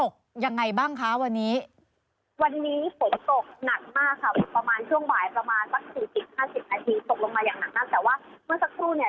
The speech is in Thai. ซึ่งตัวนักข่าวยังไม่สามารถที่จะเข้าไปบริเวณต่างได้